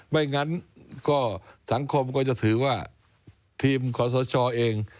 ไม่งั้นก็สังคมก็จะถือว่าทีมขอสชเอง